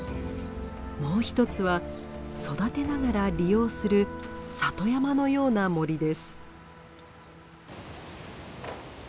もう一つは育てながら利用する里山のような森です。